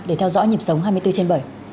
để theo dõi nhịp sống hai mươi bốn trên bảy